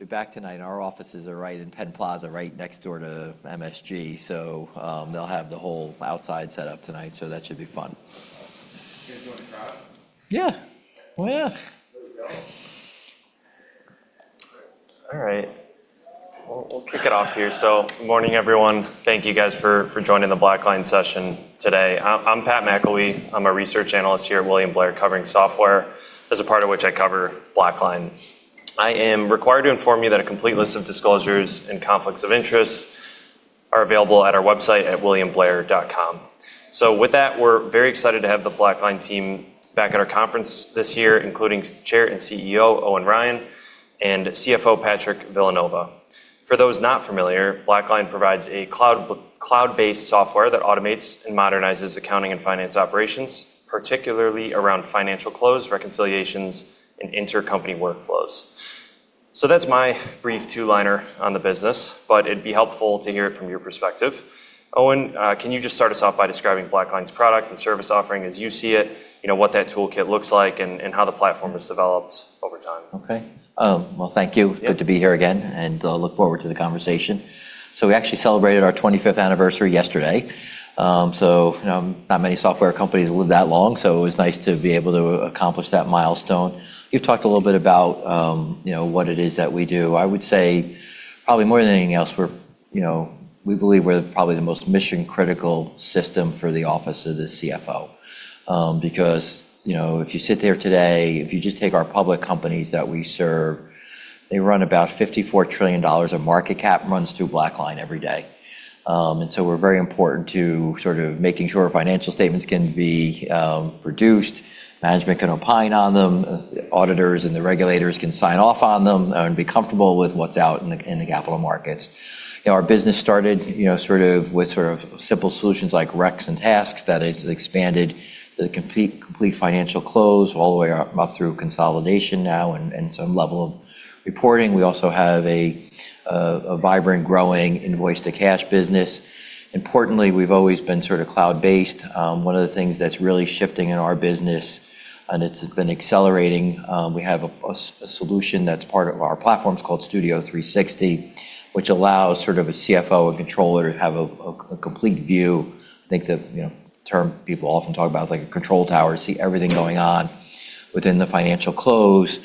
All right. We'll kick it off here. Good morning, everyone. Thank you guys for joining the BlackLine session today. I'm Pat McIlwee. I'm a Research Analyst here at William Blair, covering software, as a part of which I cover BlackLine. I am required to inform you that a complete list of disclosures and conflicts of interest are available at our website at williamblair.com. With that, we're very excited to have the BlackLine team back at our conference this year, including Chair and CEO, Owen Ryan, and CFO, Patrick Villanova. For those not familiar, BlackLine provides a cloud-based software that automates and modernizes accounting and finance operations, particularly around Financial Close reconciliations and Intercompany workflows. That's my brief two-liner on the business, but it'd be helpful to hear it from your perspective. Owen, can you just start us off by describing BlackLine's product and service offering as you see it, what that toolkit looks like, and how the platform has developed over time? Okay. Well, thank you. Yeah. Good to be here again, and look forward to the conversation. We actually celebrated our 25th anniversary yesterday. Not many software companies live that long, so it was nice to be able to accomplish that milestone. You've talked a little bit about what it is that we do. I would say, probably more than anything else, we believe we're probably the most mission-critical system for the office of the CFO. If you sit there today, if you just take our public companies that we serve, they run about $54 trillion of market cap runs through BlackLine every day. We're very important to sort of making sure financial statements can be produced, management can opine on them, auditors and the regulators can sign off on them and be comfortable with what's out in the capital markets. Our business started with sort of simple solutions like recs and tasks that has expanded the complete Financial Close all the way up through consolidation now and some level of reporting. We also have a vibrant, growing Invoice-to-Cash business. Importantly, we've always been sort of cloud-based. One of the things that's really shifting in our business, and it's been accelerating, we have a solution that's part of our platforms called Studio 360, which allows sort of a CFO and controller to have a complete view. I think the term people often talk about is a control tower, see everything going on within the Financial Close.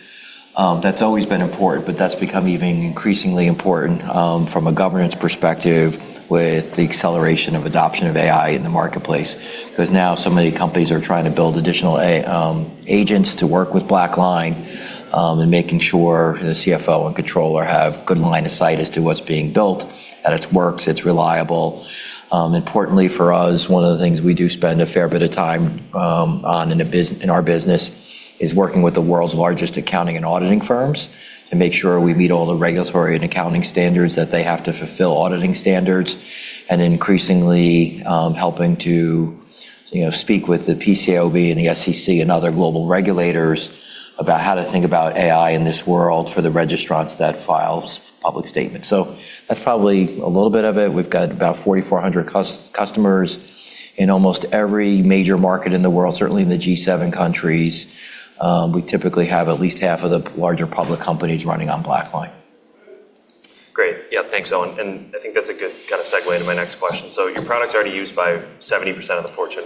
That's always been important, but that's become even increasingly important, from a governance perspective, with the acceleration of adoption of AI in the marketplace. Now so many companies are trying to build additional agents to work with BlackLine, and making sure the CFO and Controller have good line of sight as to what's being built, that it works, it's reliable. Importantly for us, one of the things we do spend a fair bit of time on in our business is working with the world's largest accounting and auditing firms to make sure we meet all the regulatory and accounting standards, that they have to fulfill auditing standards. Increasingly, helping to speak with the PCAOB and the SEC and other global regulators about how to think about AI in this world for the registrants that files public statements. That's probably a little bit of it. We've got about 4,400 customers in almost every major market in the world, certainly in the G7 countries. We typically have at least half of the larger public companies running on BlackLine. Great. Yeah, thanks, Owen, and I think that's a good kind of segue into my next question. Your product's already used by 70% of the Fortune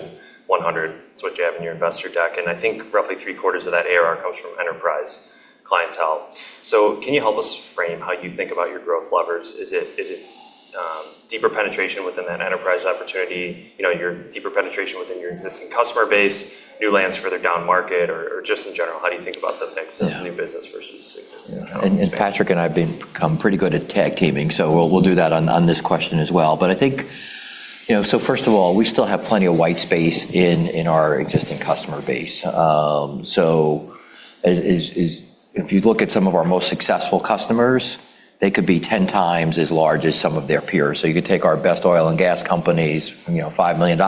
100. It's what you have in your investor deck. I think roughly three-quarters of that ARR comes from enterprise clientele. Can you help us frame how you think about your growth levers? Is it deeper penetration within that enterprise opportunity, your deeper penetration within your existing customer base, new lands for the downmarket, or just in general, how do you think about the mix of new business versus existing account expansion? Patrick and I have become pretty good at tag teaming, we'll do that on this question as well. I think, first of all, we still have plenty of white space in our existing customer base. If you look at some of our most successful customers, they could be 10x as large as some of their peers. You could take our best oil and gas companies from $5 million,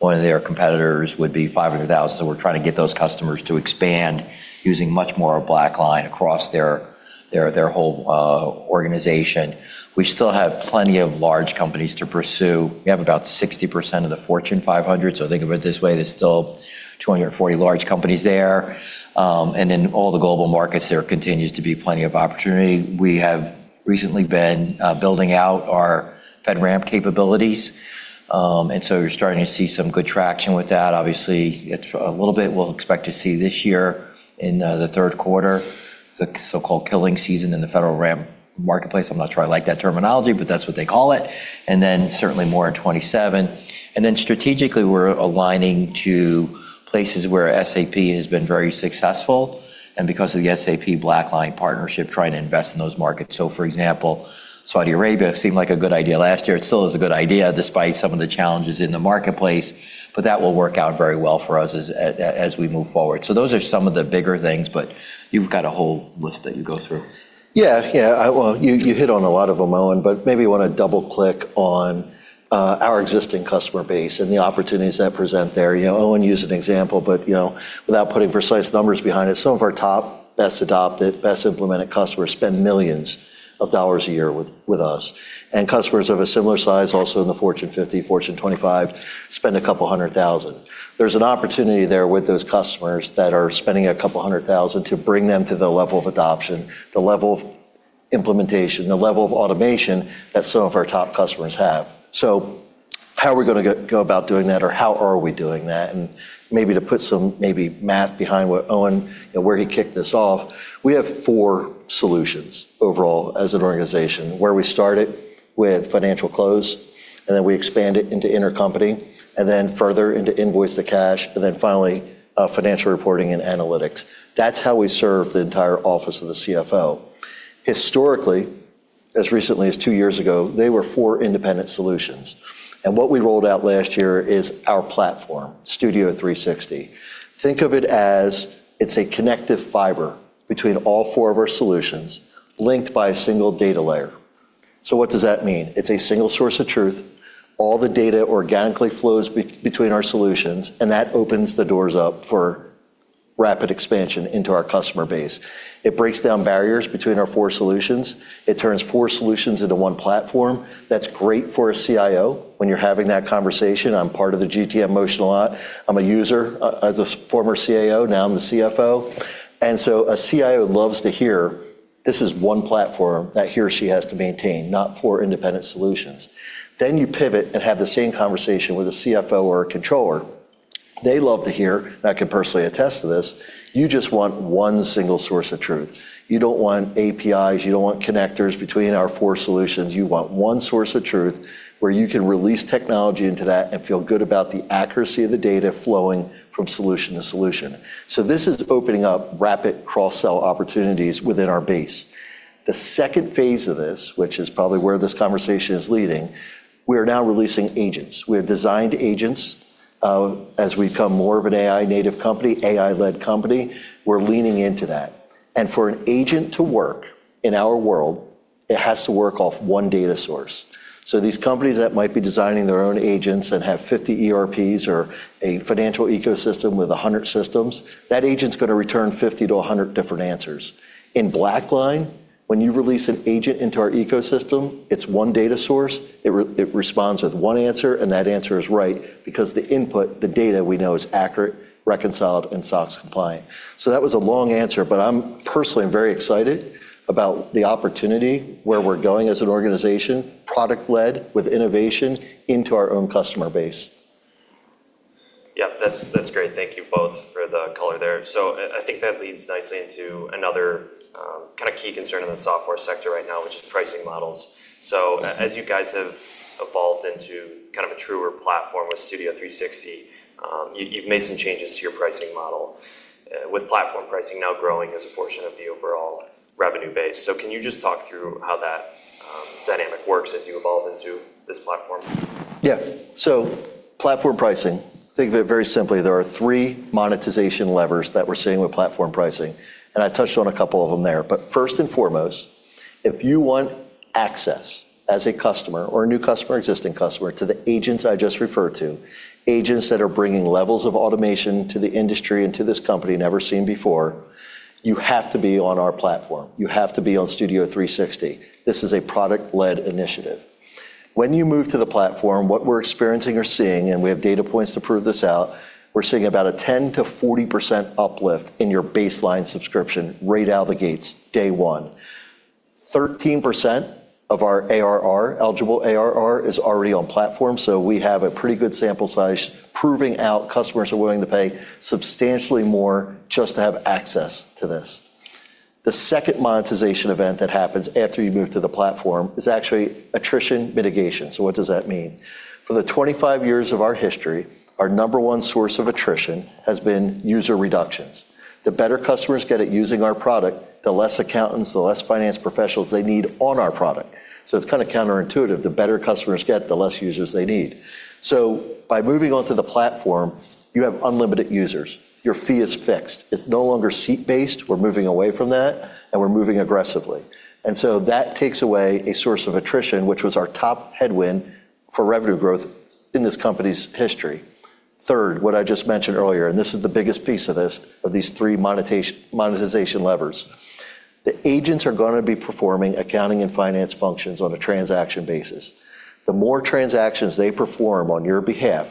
one of their competitors would be $500,000. We're trying to get those customers to expand using much more of BlackLine across their whole organization. We still have plenty of large companies to pursue. We have about 60% of the Fortune 500, think of it this way, there's still 240 large companies there. In all the global markets, there continues to be plenty of opportunity. We have recently been building out our FedRAMP capabilities. You're starting to see some good traction with that. Obviously, it's a little bit we'll expect to see this year in the third quarter, the so-called killing season in the FedRAMP marketplace. I'm not sure I like that terminology, but that's what they call it, and then certainly more in 2027. Strategically, we're aligning to places where SAP has been very successful, and because of the SAP BlackLine partnership, trying to invest in those markets. For example, Saudi Arabia seemed like a good idea last year. It still is a good idea despite some of the challenges in the marketplace, but that will work out very well for us as we move forward. Those are some of the bigger things, but you've got a whole list that you go through. You hit on a lot of them, Owen, but maybe you want to double-click on our existing customer base and the opportunities that present there. Owen used an example, but, without putting precise numbers behind it, some of our top, best-adopted, best-implemented customers spend millions of dollars a year with us. Customers of a similar size, also in the Fortune 50, Fortune 25, spend a couple hundred thousand dollars. There is an opportunity there with those customers that are spending a couple hundred thousand dollars to bring them to the level of adoption, the level of implementation, the level of automation that some of our top customers have. How are we going to go about doing that? How are we doing that? Maybe to put some maybe math behind what Owen, where he kicked this off, we have four solutions overall as an organization. Where we started with Financial Close, and then we expand it into Intercompany, and then further into Invoice-to-Cash, and then finally, Financial Reporting & Analytics. That's how we serve the entire office of the CFO. Historically, as recently as two years ago, they were four independent solutions. What we rolled out last year is our platform, Studio 360. Think of it as it's a connective fiber between all four of our solutions, linked by a single data layer. What does that mean? It's a single source of truth. All the data organically flows between our solutions, and that opens the doors up for rapid expansion into our customer base. It breaks down barriers between our four solutions. It turns four solutions into one platform. That's great for a CIO when you're having that conversation. I'm part of the GTM motion a lot. I'm a user, as a former CAO, now I'm the CFO. A CIO loves to hear, this is one platform that he or she has to maintain, not four independent solutions. You pivot and have the same conversation with a CFO or a controller. They love to hear, and I can personally attest to this, you just want one single source of truth. You don't want APIs. You don't want connectors between our four solutions. You want one source of truth where you can release technology into that and feel good about the accuracy of the data flowing from solution to solution. This is opening up rapid cross-sell opportunities within our base. The second phase of this, which is probably where this conversation is leading, we are now releasing agents. We have designed agents. As we become more of an AI-native company, AI-led company, we're leaning into that. For an agent to work in our world, it has to work off one data source. These companies that might be designing their own agents and have 50 ERPs or a financial ecosystem with 100 systems, that agent's going to return 50-100 different answers. In BlackLine, when you release an agent into our ecosystem, it's one data source. It responds with one answer, and that answer is right because the input, the data we know is accurate, reconciled, and SOX compliant. That was a long answer, I'm personally very excited about the opportunity, where we're going as an organization, product-led with innovation into our own customer base. Yeah. That's great. Thank you both for the color there. I think that leads nicely into another key concern in the software sector right now, which is pricing models. As you guys have evolved into a truer platform with Studio 360, you've made some changes to your pricing model, with platform pricing now growing as a portion of the overall revenue base. Can you just talk through how that dynamic works as you evolve into this platform? Yeah. Platform pricing, think of it very simply. There are three monetization levers that we're seeing with platform pricing, and I touched on a couple of them there. First and foremost, if you want access as a customer or a new customer, existing customer, to the agents I just referred to, agents that are bringing levels of automation to the industry and to this company never seen before, you have to be on our platform. You have to be on Studio 360. This is a product-led initiative. When you move to the platform, what we're experiencing or seeing, and we have data points to prove this out, we're seeing about a 10%-40% uplift in your baseline subscription right out of the gates, day one. 13% of our ARR, eligible ARR, is already on platform, so we have a pretty good sample size proving out customers are willing to pay substantially more just to have access to this. The second monetization event that happens after you move to the platform is actually attrition mitigation. What does that mean? For the 25 years of our history, our number one source of attrition has been user reductions. The better customers get at using our product, the less accountants, the less finance professionals they need on our product. It's kind of counterintuitive. The better customers get, the less users they need. By moving onto the platform, you have unlimited users. Your fee is fixed. It's no longer seat-based. We're moving away from that, and we're moving aggressively. That takes away a source of attrition, which was our top headwind for revenue growth in this company's history. Third, what I just mentioned earlier, and this is the biggest piece of this, of these three monetization levers. The agents are going to be performing accounting and finance functions on a transaction basis. The more transactions they perform on your behalf,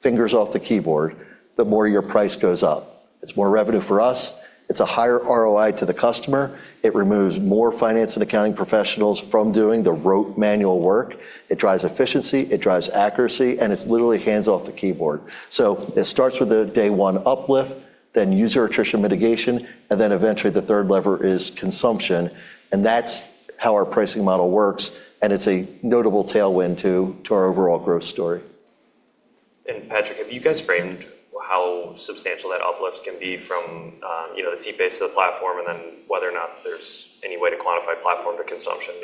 fingers off the keyboard, the more your price goes up. It's more revenue for us. It's a higher ROI to the customer. It removes more finance and accounting professionals from doing the rote manual work. It drives efficiency, it drives accuracy, and it's literally hands off the keyboard. It starts with a day one uplift, then user attrition mitigation, and then eventually the third lever is consumption, and that's how our pricing model works, and it's a notable tailwind too, to our overall growth story. Patrick, have you guys framed how substantial that uplifts can be from the seat base to the platform, and then whether or not there's any way to quantify platform to consumption?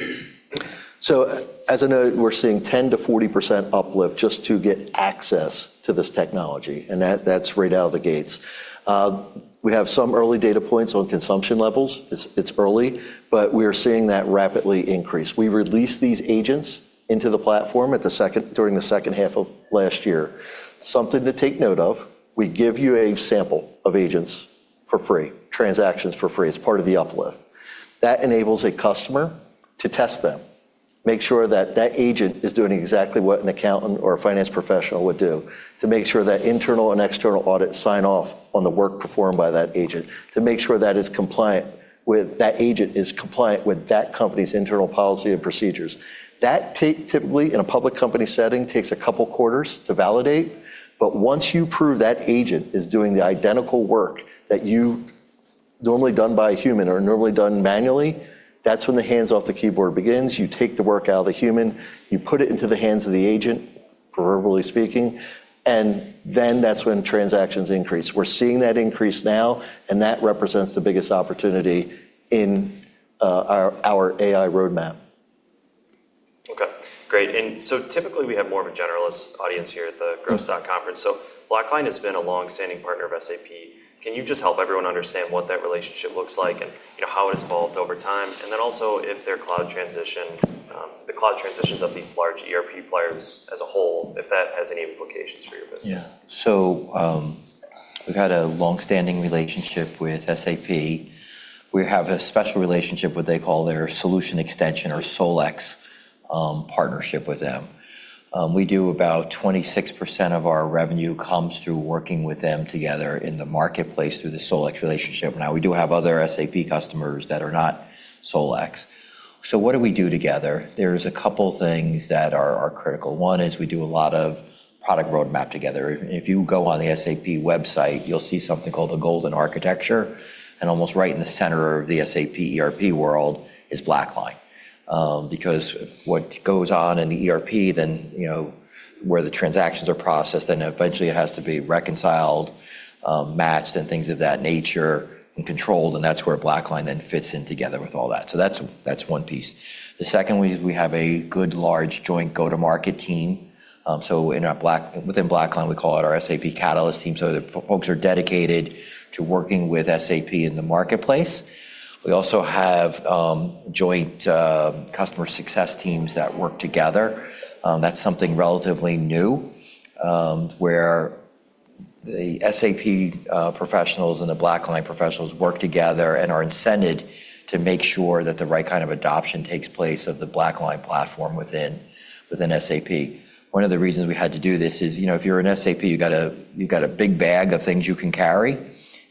As a note, we're seeing 10%-40% uplift just to get access to this technology, and that's right out of the gates. It's early, we are seeing that rapidly increase. We released these agents into the platform during the second half of last year. Something to take note of, we give you a sample of agents for free, transactions for free as part of the uplift. That enables a customer to test them Make sure that that agent is doing exactly what an accountant or a finance professional would do to make sure that internal and external audits sign off on the work performed by that agent to make sure that agent is compliant with that company's internal policy and procedures. That, typically, in a public company setting, takes a couple quarters to validate. Once you prove that agent is doing the identical work that normally done by a human or normally done manually, that's when the hands-off-the-keyboard begins. You take the work out of the human, you put it into the hands of the agent, proverbially speaking, and then that's when transactions increase. We're seeing that increase now, and that represents the biggest opportunity in our AI roadmap. Okay, great. Typically, we have more of a generalist audience here at the Growth Stock Conference. BlackLine has been a longstanding partner of SAP. Can you just help everyone understand what that relationship looks like and how it has evolved over time? If their cloud transition, the cloud transitions of these large ERP players as a whole, if that has any implications for your business? Yeah. We've had a longstanding relationship with SAP. We have a special relationship, what they call their Solution Extension or SolEx partnership with them. We do about 26% of our revenue comes through working with them together in the marketplace through the SolEx relationship. Now, we do have other SAP customers that are not SolEx. What do we do together? There's a couple things that are critical. One is we do a lot of product roadmap together. If you go on the SAP website, you'll see something called the Golden Architecture, and almost right in the center of the SAP ERP world is BlackLine. What goes on in the ERP, then where the transactions are processed, then eventually it has to be reconciled, matched, and things of that nature and controlled, and that's where BlackLine then fits in together with all that. That's one piece. The second way is we have a good large joint go-to-market team. Within BlackLine, we call it our SAP Catalyst team. The folks are dedicated to working with SAP in the marketplace. We also have joint customer success teams that work together. That's something relatively new, where the SAP professionals and the BlackLine professionals work together and are incented to make sure that the right kind of adoption takes place of the BlackLine platform within SAP. One of the reasons we had to do this is if you're an SAP, you got a big bag of things you can carry,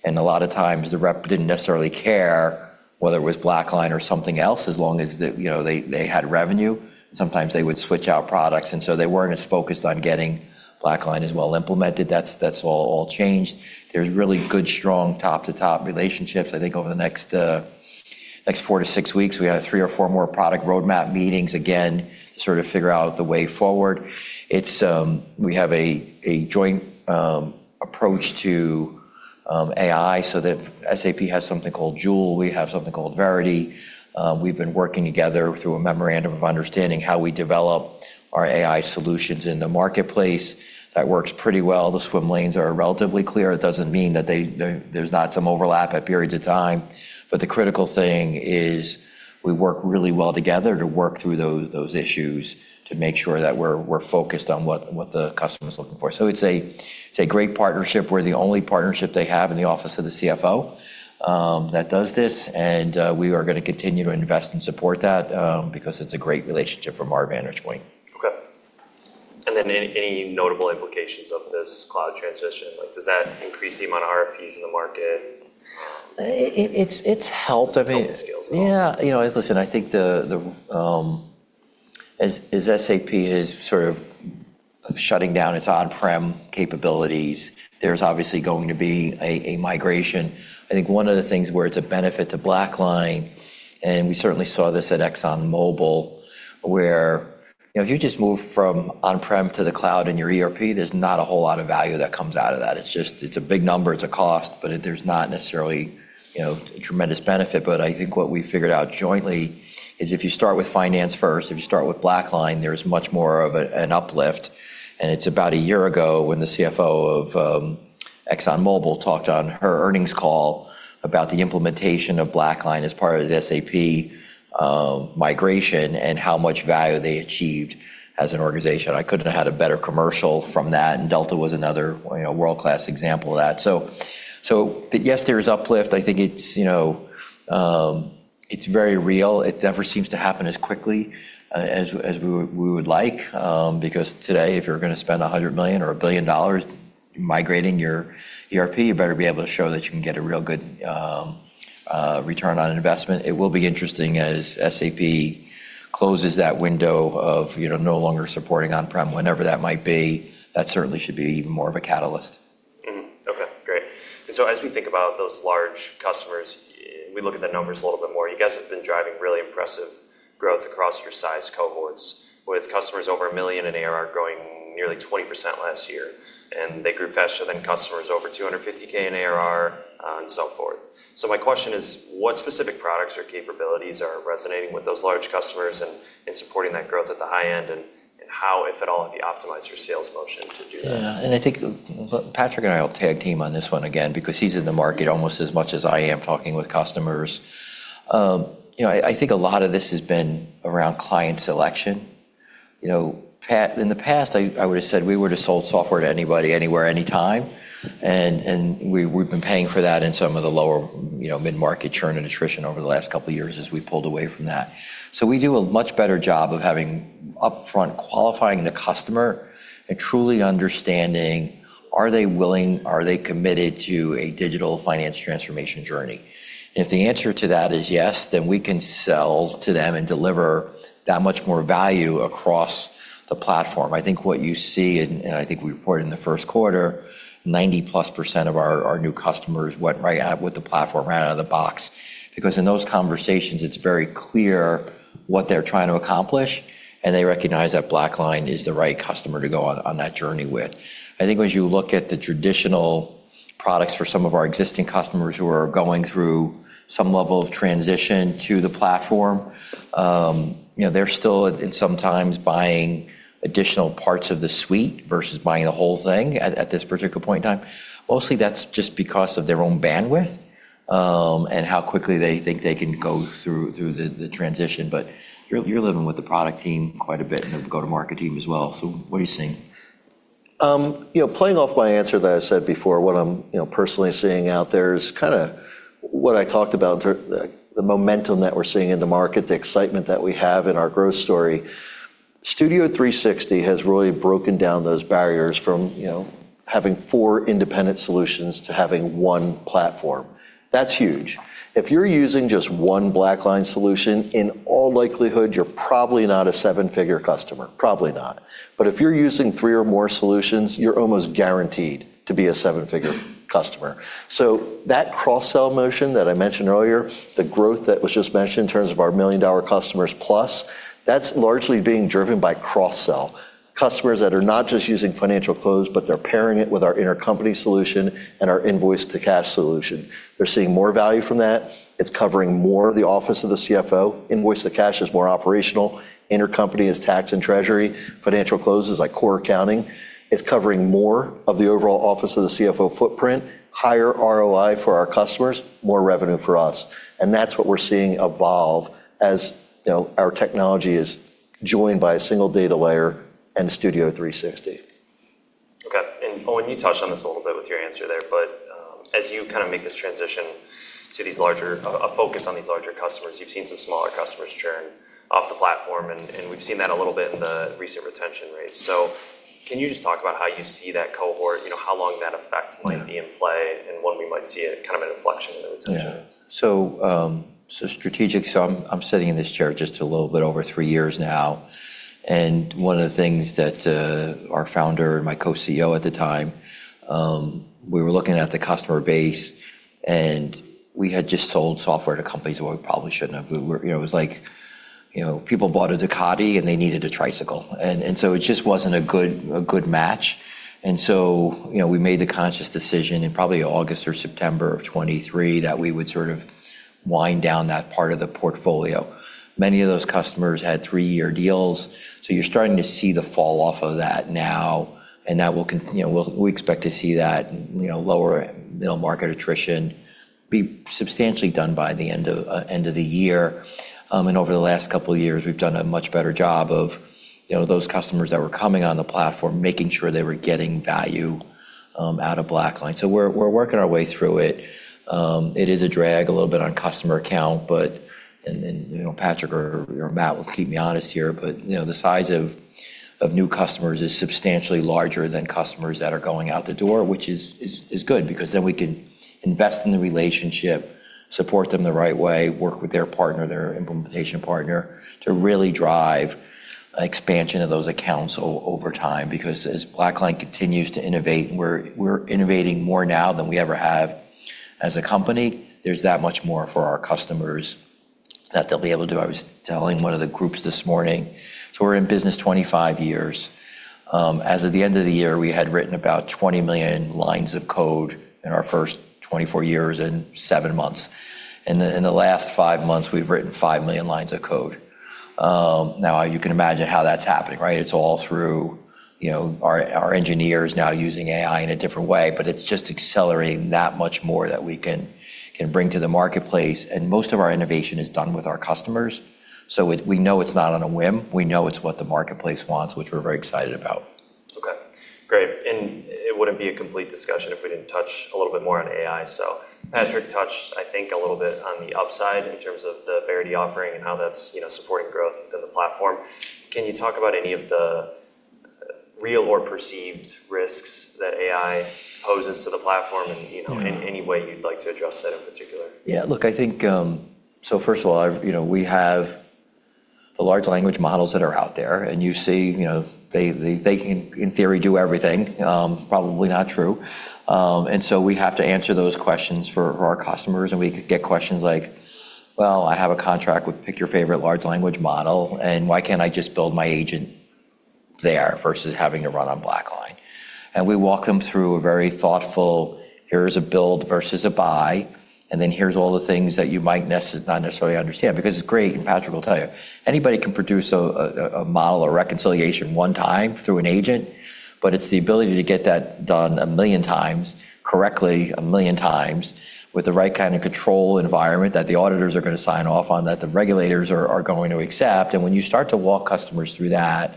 and a lot of times the rep didn't necessarily care whether it was BlackLine or something else, as long as they had revenue. Sometimes they would switch out products, and so they weren't as focused on getting BlackLine as well implemented. That's all changed. There's really good, strong top-to-top relationships. I think over the next four to six weeks, we have three or four more product roadmap meetings, again, to sort of figure out the way forward. We have a joint approach to AI so that SAP has something called Joule, we have something called Verity. We've been working together through a memorandum of understanding how we develop our AI solutions in the marketplace. That works pretty well. The swim lanes are relatively clear. It doesn't mean that there's not some overlap at periods of time. The critical thing is we work really well together to work through those issues to make sure that we're focused on what the customer is looking for. It's a great partnership. We're the only partnership they have in the office of the CFO that does this, and we are going to continue to invest and support that because it's a great relationship from our vantage point. Okay. Any notable implications of this cloud transition? Does that increase the amount of RFPs in the market? It's helped. I mean It's helped the scales. Listen, I think as SAP is sort of shutting down its on-prem capabilities, there's obviously going to be a migration. I think one of the things where it's a benefit to BlackLine, and we certainly saw this at ExxonMobil, where if you just move from on-prem to the cloud in your ERP, there's not a whole lot of value that comes out of that. It's a big number, it's a cost, but there's not necessarily a tremendous benefit. I think what we figured out jointly is if you start with finance first, if you start with BlackLine, there's much more of an uplift. It's about a year ago when the CFO of ExxonMobil talked on her earnings call about the implementation of BlackLine as part of the SAP migration and how much value they achieved as an organization. I couldn't have had a better commercial from that, and Delta was another world-class example of that. Yes, there is uplift. I think it's very real. It never seems to happen as quickly as we would like, because today, if you're going to spend $100 million or $1 billion migrating your ERP, you better be able to show that you can get a real good return on investment. It will be interesting as SAP closes that window of no longer supporting on-prem, whenever that might be. That certainly should be even more of a catalyst. Okay, great. As we think about those large customers, we look at the numbers a little bit more. You guys have been driving really impressive growth across your size cohorts with customers over $1 million in ARR growing nearly 20% last year, and they grew faster than customers over $250K in ARR, and so forth. My question is, what specific products or capabilities are resonating with those large customers and supporting that growth at the high end? How, if at all, have you optimized your sales motion to do that? I think Patrick and I will tag team on this one again because he's in the market almost as much as I am talking with customers. I think a lot of this has been around client selection. In the past, I would've said we would've sold software to anybody, anywhere, anytime. We've been paying for that in some of the lower, mid-market churn and attrition over the last couple of years as we pulled away from that. We do a much better job of having upfront qualifying the customer and truly understanding, are they willing, are they committed to a digital finance transformation journey? If the answer to that is yes, then we can sell to them and deliver that much more value across the platform. I think what you see, and I think we reported in the first quarter, 90+% of our new customers went right out with the platform, right out of the box. In those conversations, it's very clear what they're trying to accomplish, and they recognize that BlackLine is the right customer to go on that journey with. I think as you look at the traditional products for some of our existing customers who are going through some level of transition to the platform, they're still at, sometimes, buying additional parts of the suite versus buying the whole thing at this particular point in time. Mostly that's just because of their own bandwidth, and how quickly they think they can go through the transition. You're living with the product team quite a bit, and the go-to-market team as well, what are you seeing? Playing off my answer that I said before, what I'm personally seeing out there is what I talked about, the momentum that we're seeing in the market, the excitement that we have in our growth story. Studio 360 has really broken down those barriers from having four independent solutions to having one platform. That's huge. If you're using just one BlackLine solution, in all likelihood, you're probably not a seven-figure customer. Probably not. If you're using three or more solutions, you're almost guaranteed to be a seven-figure customer. That cross-sell motion that I mentioned earlier, the growth that was just mentioned in terms of our million-dollar customers plus, that's largely being driven by cross-sell. Customers that are not just using Financial Close, but they're pairing it with our Intercompany solution and our Invoice to Cash solution. They're seeing more value from that. It's covering more of the office of the CFO. Invoice-to-Cash is more operational. Intercompany is tax and treasury. Financial Close is like core accounting. It's covering more of the overall office of the CFO footprint, higher ROI for our customers, more revenue for us. That's what we're seeing evolve as our technology is joined by a single data layer and Studio 360. Okay. Owen, you touched on this a little bit with your answer there, but as you make this transition to a focus on these larger customers, you've seen some smaller customers churn off the platform, and we've seen that a little bit in the recent retention rates. Can you just talk about how you see that cohort, how long that effect might be in play, and when we might see a kind of an inflection in the retention rates? Yeah. Strategic. I'm sitting in this chair just a little bit over three years now, and one of the things that our Founder and my Co-CEO at the time, we were looking at the customer base, and we had just sold software to companies where we probably shouldn't have. It was like people bought a Ducati, and they needed a tricycle. It just wasn't a good match. We made the conscious decision in probably August or September of 2023 that we would sort of wind down that part of the portfolio. Many of those customers had three-year deals. You're starting to see the fall-off of that now. We expect to see that lower middle market attrition be substantially done by the end of the year. Over the last couple of years, we've done a much better job of those customers that were coming on the platform, making sure they were getting value out of BlackLine. We're working our way through it. It is a drag a little bit on customer count, but, and Patrick or Matt will keep me honest here, but the size of new customers is substantially larger than customers that are going out the door, which is good, because then we can invest in the relationship, support them the right way, work with their partner, their implementation partner, to really drive expansion of those accounts over time. As BlackLine continues to innovate, and we're innovating more now than we ever have as a company, there's that much more for our customers that they'll be able to do. I was telling one of the groups this morning, we're in business 25 years. As of the end of the year, we had written about 20 million lines of code in our first 24 years and seven months. In the last five months, we've written 5 million lines of code. Now, you can imagine how that's happening, right? It's all through our engineers now using AI in a different way, but it's just accelerating that much more that we can bring to the marketplace. And most of our innovation is done with our customers. We know it's not on a whim. We know it's what the marketplace wants, which we're very excited about. Okay. Great. It wouldn't be a complete discussion if we didn't touch a little bit more on AI. Patrick touched, I think, a little bit on the upside in terms of the Verity offering and how that's supporting growth within the platform. Can you talk about any of the real or perceived risks that AI poses to the platform and any way you'd like to address that in particular? Yeah. Look, I think, first of all, we have the large language models that are out there, and you see they, in theory, do everything. Probably not true. We have to answer those questions for our customers, and we could get questions like, "Well, I have a contract with," pick your favorite large language model, "and why can't I just build my agent there versus having to run on BlackLine?" We walk them through a very thoughtful, here is a build versus a buy, and then here's all the things that you might not necessarily understand, because it's great, and Patrick will tell you, anybody can produce a model, a reconciliation one time through an agent. It's the ability to get that done 1 million times, correctly, 1 million times with the right kind of control environment that the auditors are going to sign off on, that the regulators are going to accept. When you start to walk customers through that,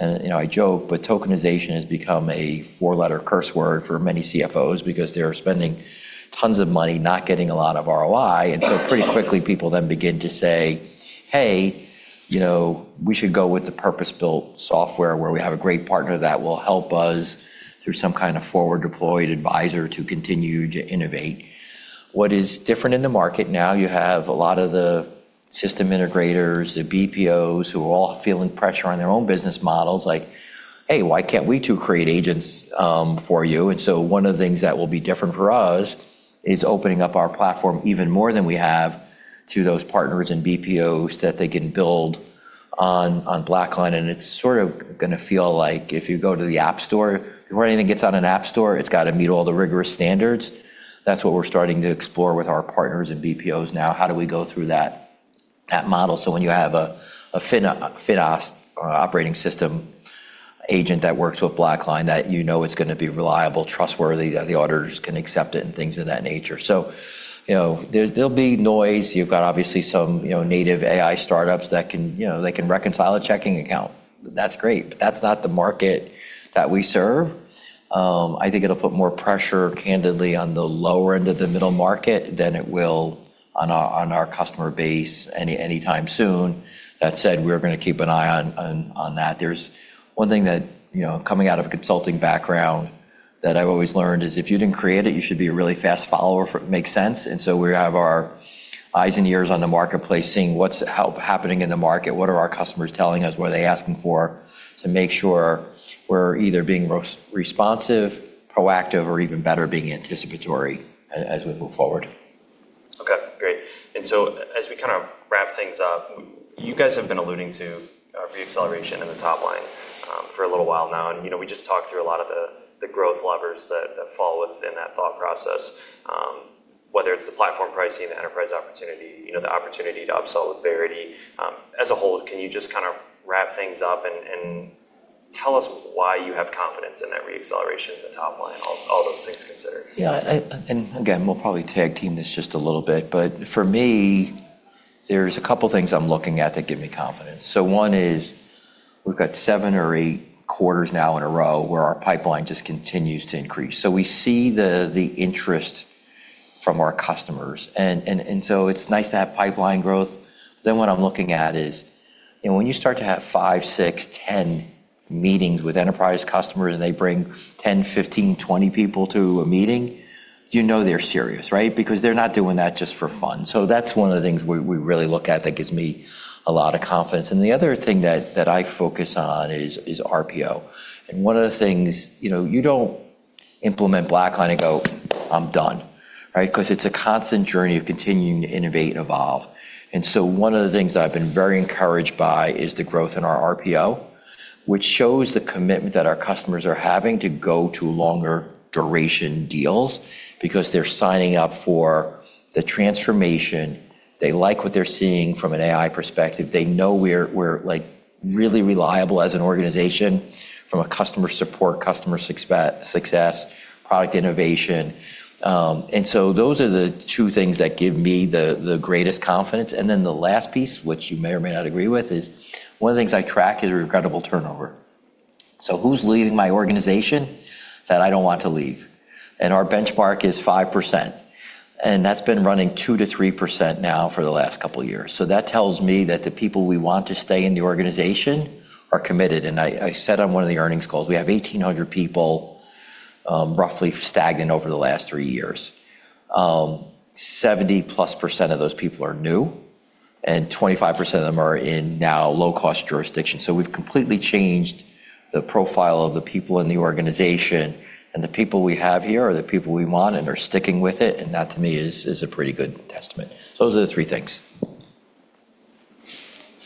I joke, but tokenization has become a four-letter curse word for many CFOs because they're spending tons of money, not getting a lot of ROI. Pretty quickly, people then begin to say, "Hey, we should go with the purpose-built software where we have a great partner that will help us through some kind of forward-deployed advisor to continue to innovate."What is different in the market now, you have a lot of the system integrators, the BPOs, who are all feeling pressure on their own business models like, "Hey, why can't we too create agents for you?" One of the things that will be different for us is opening up our platform even more than we have to those partners and BPOs that they can build on BlackLine. It's going to feel like if you go to the App Store. Before anything gets on an App Store, it's got to meet all the rigorous standards. That's what we're starting to explore with our partners and BPOs now. How do we go through that model? When you have a FinOps operating system agent that works with BlackLine that you know is going to be reliable, trustworthy, that the auditors can accept it, and things of that nature. There'll be noise. You've got obviously some native AI startups that can reconcile a checking account. That's great, but that's not the market that we serve. I think it'll put more pressure, candidly, on the lower end of the middle market than it will on our customer base any time soon. That said, we're going to keep an eye on that. There's one thing that, coming out of a consulting background, that I've always learned is if you didn't create it, you should be a really fast follower, if it makes sense. We have our eyes and ears on the marketplace, seeing what's happening in the market, what are our customers telling us, what are they asking for, to make sure we're either being responsive, proactive, or even better, being anticipatory as we move forward. Okay, great. As we wrap things up, you guys have been alluding to re-acceleration in the top line for a little while now, and we just talked through a lot of the growth levers that fall within that thought process. Whether it's the platform pricing, the enterprise opportunity, the opportunity to upsell with Verity. As a whole, can you just wrap things up and tell us why you have confidence in that re-acceleration in the top line, all those things considered? Yeah. Again, we'll probably tag team this just a little bit, but for me, there's a couple things I'm looking at that give me confidence. One is we've got seven or eight quarters now in a row where our pipeline just continues to increase. We see the interest from our customers. It's nice to have pipeline growth. What I'm looking at is when you start to have five, six, 10 meetings with enterprise customers and they bring 10, 15, 20 people to a meeting, you know they're serious, right? Because they're not doing that just for fun. That's one of the things we really look at that gives me a lot of confidence. The other thing that I focus on is RPO. You don't implement BlackLine and go, "I'm done." Because it's a constant journey of continuing to innovate and evolve. One of the things that I've been very encouraged by is the growth in our RPO, which shows the commitment that our customers are having to go to longer duration deals because they're signing up for the transformation. They like what they're seeing from an AI perspective. They know we're really reliable as an organization from a customer support, customer success, product innovation. Those are the two things that give me the greatest confidence. The last piece, which you may or may not agree with, is one of the things I track is regrettable turnover. Who's leaving my organization that I don't want to leave? Our benchmark is 5%, and that's been running 2%-3% now for the last couple of years. That tells me that the people we want to stay in the organization are committed. I said on one of the earnings calls, we have 1,800 people roughly stagnant over the last three years. 70-plus% of those people are new, and 25% of them are in now low-cost jurisdictions. We've completely changed the profile of the people in the organization, and the people we have here are the people we want and are sticking with it, and that to me is a pretty good testament. Those are the three things.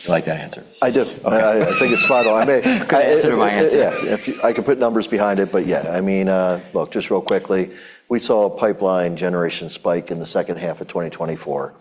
You like that answer? I do. Okay. I think it's spot on. Consider my answer. Yeah. I could put numbers behind it, but yeah. Look, just real quickly, we saw a pipeline generation spike in the second half of 2024.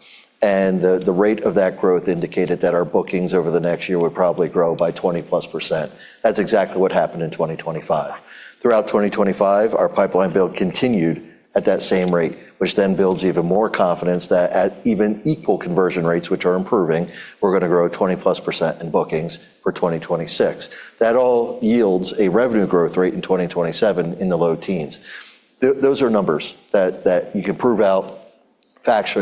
The rate of that growth indicated that our bookings over the next year would probably grow by 20+%. That's exactly what happened in 2025. Throughout 2025, our pipeline build continued at that same rate, which then builds even more confidence that at even equal conversion rates, which are improving, we're going to grow 20-plus% in bookings for 2026. That all yields a revenue growth rate in 2027 in the low teens. To Owen's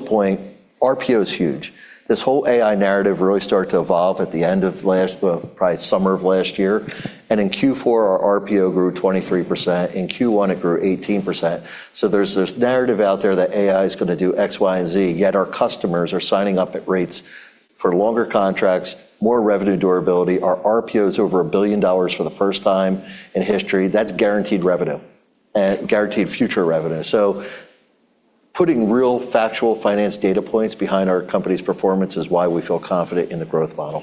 point, RPO is huge. This whole AI narrative really started to evolve at the end of last, well, probably summer of last year. In Q4, our RPO grew 23%. In Q1, it grew 18%. There's this narrative out there that AI is going to do X, Y, and Z, yet our customers are signing up at rates for longer contracts, more revenue durability. Our RPO is over $1 billion for the first time in history. That's guaranteed revenue and guaranteed future revenue. Putting real factual finance data points behind our company's performance is why we feel confident in the growth model.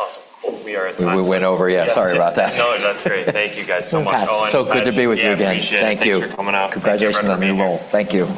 Awesome. Well, we are at time. We went over, yeah. Sorry about that. No, that's great. Thank you guys so much. Good to be with you again. Yeah, appreciate it. Thank you. Thanks for coming out. Congratulations on the new role. Thank you.